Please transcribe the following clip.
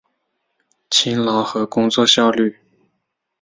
勤劳和工作效率